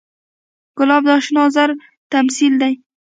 ګلاب د اشنا زړه تمثیل دی.